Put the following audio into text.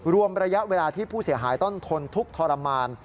รวมระยะเวลาที่ผู้เสียหายต้องทนทุกข์ทรมาน